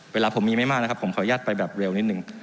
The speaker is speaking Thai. เวลาผมมีไม่มากนะครับผมขออนุญาตไปแบบเร็วนิดนึง